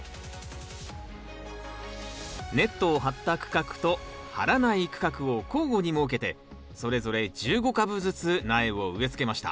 ネットを張った区画と張らない区画を交互に設けてそれぞれ１５株ずつ苗を植えつけました。